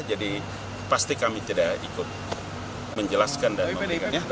jadi pasti kami tidak ikut menjelaskan dan mengundangnya